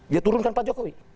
ya turunkan pak jokowi